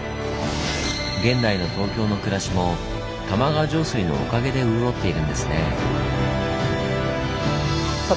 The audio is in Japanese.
現代の東京の暮らしも玉川上水のおかげで潤っているんですね。